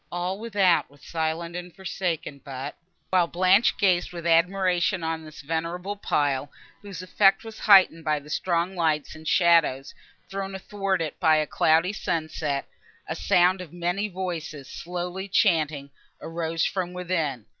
All without was silent and forsaken; but, while Blanche gazed with admiration on this venerable pile, whose effect was heightened by the strong lights and shadows thrown athwart it by a cloudy sunset, a sound of many voices, slowly chanting, arose from within.